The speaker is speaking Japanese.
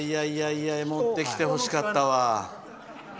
持ってきてほしかったわ。